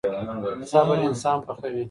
صبر انسان پخوي.